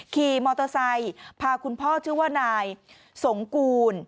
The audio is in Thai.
ขี่มอเตอร์ไซค์พาคุณพ่อชื่อว่านายสงกูล